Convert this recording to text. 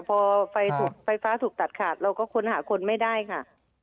พอไฟฟ้าถูกตัดขาดเราก็ค้นหาคนไม่ได้ค่ะ